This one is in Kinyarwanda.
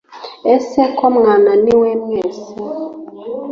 ese ko mwananiwe mwese